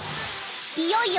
［いよいよ］